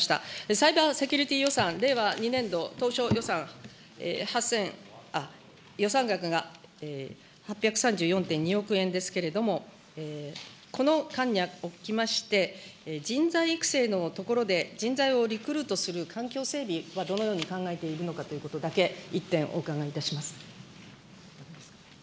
サイバーセキュリティー予算、令和２年度、当初予算、予算額が、８３４．２億円ですけれども、この間におきまして、人材育成のところで、人材をリクルートする環境整備はどのように考えているのかということだけ、１点お伺いいたします。